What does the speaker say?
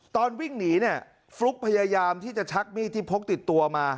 ตอนวิ่งหนีเนี่ยฟลุ๊กพยายามที่จะชักมีดที่พกติดตัวมา